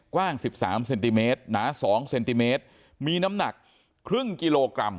กว้าง๑๓เซนติเมตรหนา๒เซนติเมตรมีน้ำหนักครึ่งกิโลกรัม